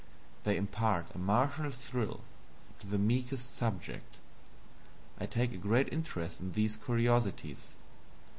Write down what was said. They impart a martial thrill to the meekest subject. I take a great interest in these curiosities.